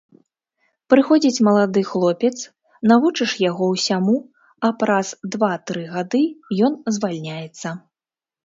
Прыходзіць малады хлопец, навучыш яго ўсяму, а праз два-тры гады ён звальняецца.